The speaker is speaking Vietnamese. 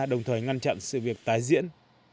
đồng thời ngăn chặn sự việc tái diễn